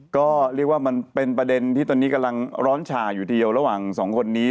ก็เรียกว่ามันเป็นประเด็นที่ตอนนี้กำลังร้อนฉ่าอยู่เดียวระหว่างสองคนนี้